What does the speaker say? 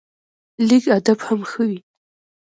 لږ ادب هم ښه وي